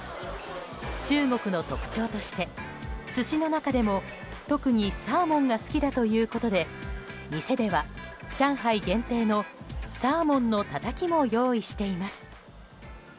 中国の特徴として寿司の中でも特にサーモンが好きだということで店では上海限定のサーモンのたたきも用意しています。